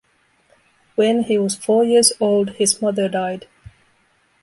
When he was four years old his mother died.